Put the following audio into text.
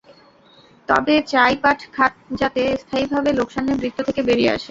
তবে চাই পাট খাত যাতে স্থায়ীভাবে লোকসানের বৃত্ত থেকে বেরিয়ে আসে।